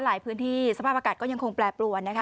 หลายพื้นที่สภาพอากาศก็ยังคงแปรปรวนนะคะ